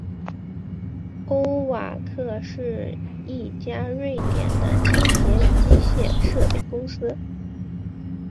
欧瓦克是一家瑞典的清洁机械设备公司。